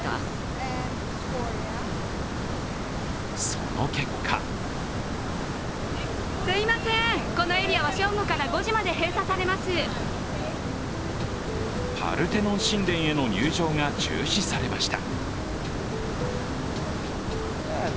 その結果パルテノン神殿への入場が中止されました。